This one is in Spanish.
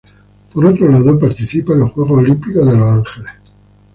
Por otro lado participa en los Juegos Olímpicos de Los Ángeles.